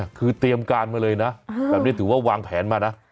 คือเตรียมการมาเลยนะแบบนี้ถือว่าวางแผนมานะ